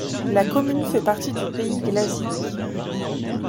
La commune fait partie du Pays Glazik.